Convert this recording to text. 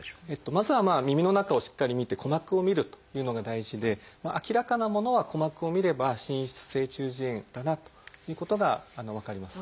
まずはまあ耳の中をしっかり診て鼓膜を診るというのが大事で明らかなものは鼓膜を診れば滲出性中耳炎だなということが分かります。